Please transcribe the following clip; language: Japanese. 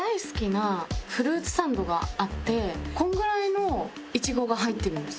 このぐらいのイチゴが入ってるんです。